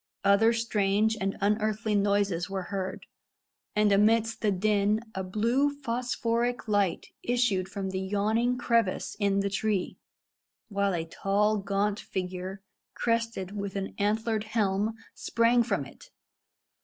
Other strange and unearthly noises were heard, and amidst the din a blue phosphoric light issued from the yawning crevice in the tree, while a tall, gaunt figure, crested with an antlered helm, sprang from it.